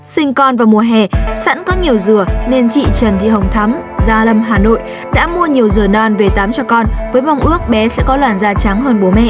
sinh con vào mùa hè sẵn có nhiều dừa nên chị trần thị hồng thắm gia lâm hà nội đã mua nhiều dừa non về tám cho con với mong ước bé sẽ có làn da trắng hơn bố mẹ